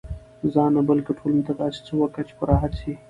ځان نه، بلکي ټولني ته داسي څه وکه، چي په راحت سي.